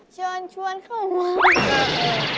เชิญชวนเข้ามา